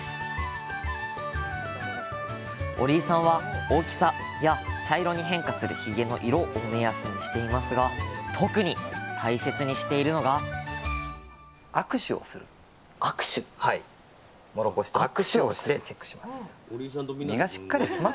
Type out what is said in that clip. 折井さんは大きさや茶色に変化するひげの色を目安にしていますが特に大切にしているのが手の感触だけで分かるのか？